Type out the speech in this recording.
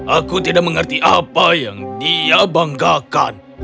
aku tidak mengerti apa yang dia banggakan